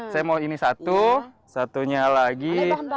saya mau ini satu satunya lagi